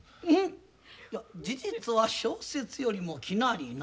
いや「事実は小説よりも奇なり」